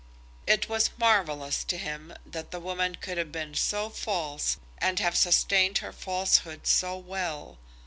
It was marvellous to him that the woman could have been so false and have sustained her falsehood so well.